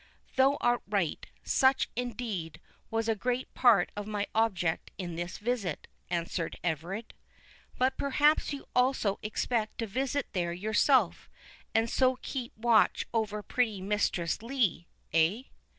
"Thou art right; such, indeed, was a great part of my object in this visit," answered Everard. "But perhaps you also expected to visit there yourself, and so keep watch over pretty Mistress Lee—eh?"